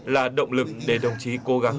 là động lực để đồng chí cố gắng